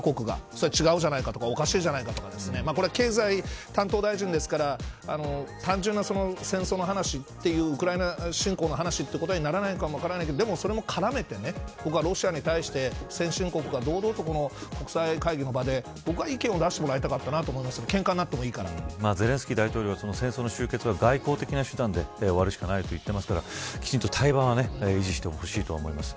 それは違うじゃないかとかおかしいじゃないかとか経済担当大臣ですから単純な戦争の話というウクライナ侵攻の話ということにならないかも分からないけどでも、それも絡めて僕はロシアに対して先進国が堂々と国際会議の場で僕は意見を出してもらえたらなゼレンスキー大統領は戦争の終結は外交的な手段で終わるしかないと言ってますからきちんと対話は維持してほしいと思います。